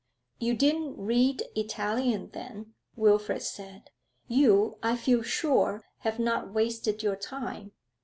'You didn't read Italian then,' Wilfrid said. 'You, I feel sure, have not wasted your time.